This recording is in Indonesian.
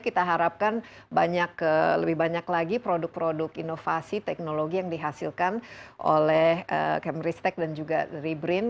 kita harapkan lebih banyak lagi produk produk inovasi teknologi yang dihasilkan oleh kemristek dan juga dari brin